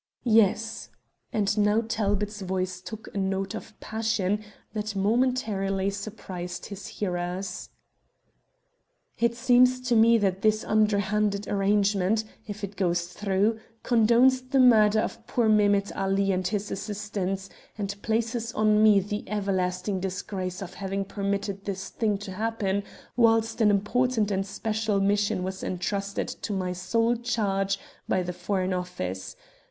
"Yes," and now Talbot's voice took a note of passion that momentarily surprised his hearers. "It seems to me that this underhanded arrangement, if it goes through, condones the murder of poor Mehemet Ali and his assistants, and places on me the everlasting disgrace of having permitted this thing to happen whilst an important and special mission was entrusted to my sole charge by the Foreign Office.